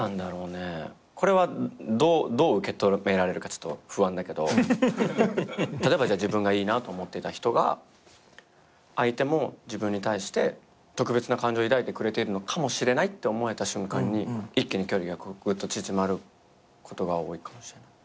これはどう受け止められるかちょっと不安だけど例えば自分がいいなと思っていた人が相手も自分に対して特別な感情を抱いてくれてるかもしれないって思えた瞬間に一気に距離がぐっと縮まることが多いかもしれない。